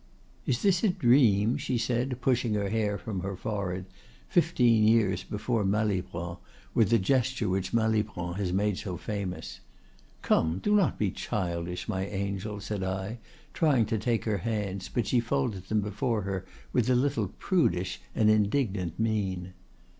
'—'Is this a dream?' said she, pushing her hair from her forehead, fifteen years before Malibran, with the gesture which Malibran has made so famous.—'Come, do not be childish, my angel,' said I, trying to take her hands; but she folded them before her with a little prudish and indignant mein.